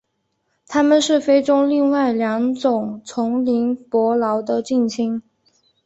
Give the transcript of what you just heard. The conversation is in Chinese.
它们是非洲另外两种丛林伯劳的近亲。